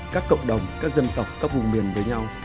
các cộng đồng các dân tộc các vùng miền với nhau